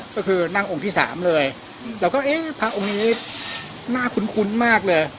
ก็คือนั่งองค์ที่สามเลยเราก็เอ๊ะพระองค์นี้น่าคุ้นมากเลย